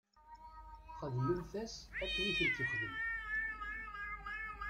Xdmemt-as akken i kent-texdem.